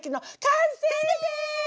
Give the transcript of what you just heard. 完成です！